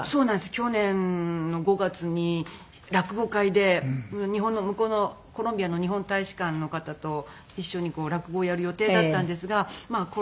去年の５月に落語会で日本の向こうのコロンビアの日本大使館の方と一緒に落語をやる予定だったんですがコロナの影響で。